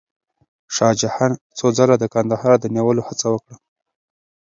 شاه جهان څو ځله د کندهار د نیولو هڅه وکړه.